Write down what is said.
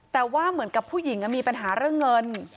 แต่ว่าเหมือนกับผู้หญิงมีปัญหาเรื่องเงิน